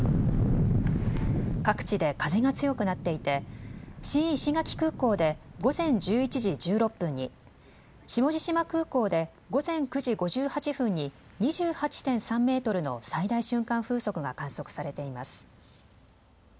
各地で風が強くなっていて新石垣空港で午前１１時１６分に、下地島空港で午前９時５８分に２８．３メートルの最大瞬間風速が観測されています。